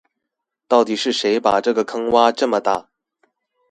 到底是誰把這個坑挖這麼大